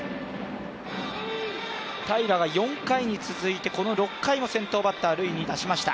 平良が４回に続いてこの６回の先頭バッター、塁に出しました。